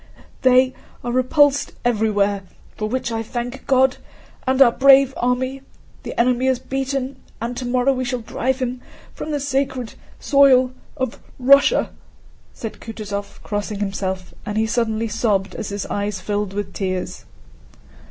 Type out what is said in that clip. "They are repulsed everywhere, for which I thank God and our brave army! The enemy is beaten, and tomorrow we shall drive him from the sacred soil of Russia," said Kutúzov crossing himself, and he suddenly sobbed as his eyes filled with tears.